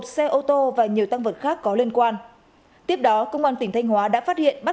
một xe ô tô và nhiều tăng vật khác có liên quan tiếp đó công an tỉnh thanh hóa đã phát hiện bắt